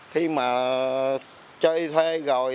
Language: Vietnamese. khi mà cho ý thuê rồi